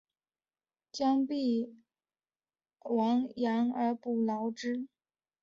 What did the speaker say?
将必俟亡羊而始补牢乎！